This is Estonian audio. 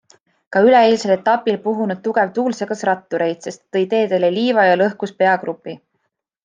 Ka üleeilsel etapil puhunud tugev tuul segas rattureid, sest tõi teedele liiva ja lõhkus peagrupi.